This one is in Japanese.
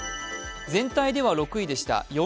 全体では６位でした。